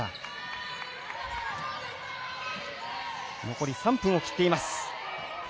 残り３分を切っています。